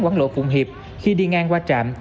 quảng lộ phụng hiệp khi đi ngang qua trạm